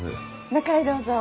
中へどうぞ。